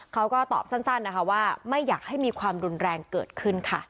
เขาก็ตอบสั้นนะคะว่าไม่อยากให้มีความรุนแรงเกิดขึ้นค่ะ